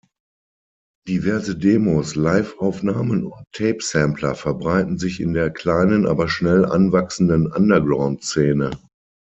Diverse Demos, Liveaufnahmen und Tape-Sampler verbreiten sich in der kleinen, aber schnell anwachsenden Underground-Szene.